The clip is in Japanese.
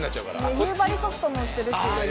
夕張ソフトも売ってるし。